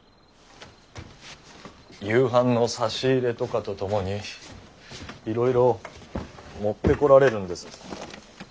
夕飯の差し入れとかと共にいろいろ持ってこられるんです。